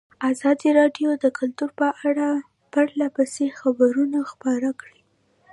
ازادي راډیو د کلتور په اړه پرله پسې خبرونه خپاره کړي.